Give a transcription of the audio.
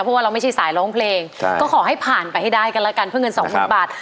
เพราะว่าเราไม่ใช่สายร้องเพลงก็ขอให้ผ่านไปให้ได้กันแล้วกันเพื่อเงินสองหมื่นบาท